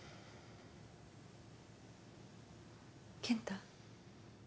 健太？